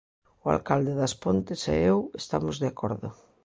O alcalde das Pontes e eu estamos de acordo.